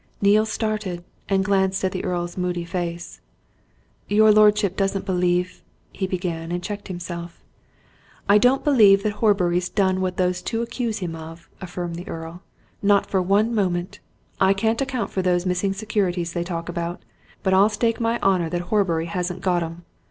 Neale started and glanced at the Earl's moody face. "Your lordship doesn't believe ?" he began, and checked himself. "I don't believe that Horbury's done what those two accuse him of," affirmed the Earl. "Not for one moment! I can't account for those missing securities they talk about, but I'll stake my honour that Horbury hasn't got 'em!